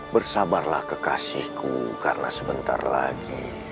bersabarlah kekasihku karena sebentar lagi